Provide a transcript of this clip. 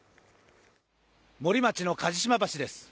森町の鍛治島橋です。